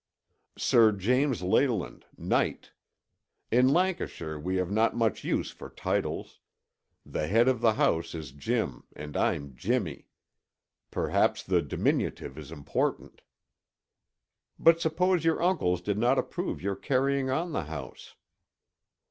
"Sir James Leyland, knight. In Lancashire we have not much use for titles; the head of the house is Jim and I'm Jimmy. Perhaps the diminutive is important." "But suppose your uncles did not approve your carrying on the house?"